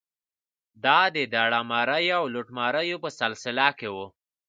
دا د داړه ماریو او لوټماریو په سلسله کې وه.